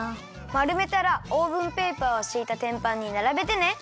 まるめたらオーブンペーパーをしいたてんぱんにならべてね。